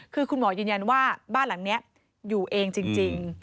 คือคุณหมอยืนยันว่าบ้านหลังนี้อยู่เองจริง